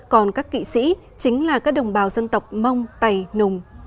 còn các kỵ sĩ chính là các đồng bào dân tộc mông tày nùng